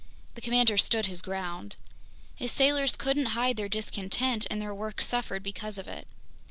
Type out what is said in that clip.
The commander stood his ground. His sailors couldn't hide their discontent, and their work suffered because of it.